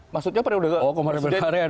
maksudnya periode kemaren